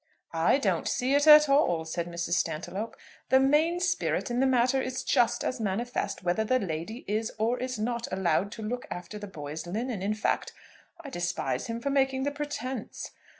"I don't see it at all," said Mrs. Stantiloup. "The main spirit in the matter is just as manifest whether the lady is or is not allowed to look after the boys' linen. In fact, I despise him for making the pretence.